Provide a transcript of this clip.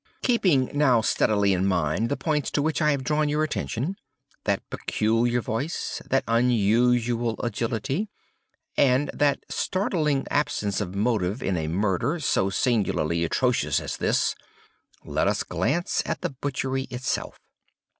"Keeping now steadily in mind the points to which I have drawn your attention—that peculiar voice, that unusual agility, and that startling absence of motive in a murder so singularly atrocious as this—let us glance at the butchery itself.